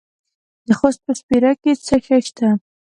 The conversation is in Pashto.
د خوست په سپیره کې څه شی شته؟